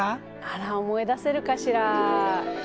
あら思い出せるかしら。